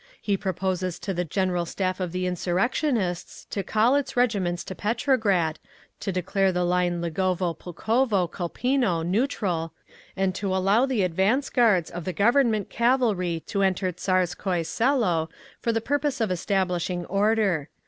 He proposes to the General Staff of the insurrectionists to recall its regiments to Petrograd, to declare the line Ligovo Pulkovo Colpinno neutral, and to allow the advance guards of the Government cavalry to enter Tsarskoye Selo, for the purpose of establishing order.